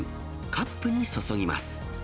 カップに注ぎます。